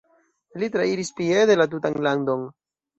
Li trairis piede la tutan landon.